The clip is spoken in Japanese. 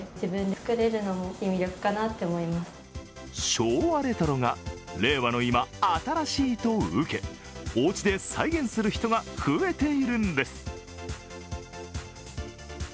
昭和レトロが令和の今、新しいと受けおうちで再現する人が増えているんです。